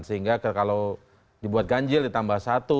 sehingga kalau dibuat ganjil ditambah satu